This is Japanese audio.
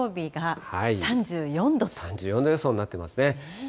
３４度予想になっていますね。